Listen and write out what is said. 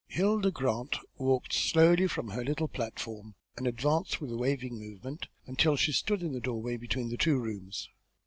Hilda Grant walked slowly down from her little platform, and advanced, with a waving movement, until she stood in the doorway between the two rooms.